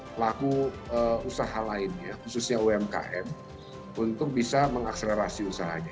pelaku usaha lainnya khususnya umkm untuk bisa mengakselerasi usahanya